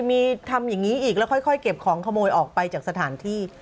มีทำอย่างนี้อีกแล้วค่อยเก็บของขโมยออกไปจากสถานที่